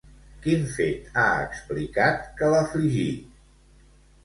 Quin fet ha explicat que l'afligí?